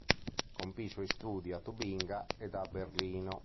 Compì i suoi studi a Tubinga ed a Berlino.